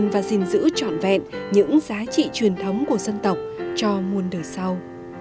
và gìn giữ trọn vẹn những giá trị truyền thống của dân tộc cho muôn đời sau